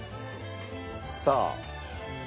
さあ。